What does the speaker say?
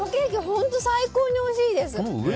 本当最高においしいです。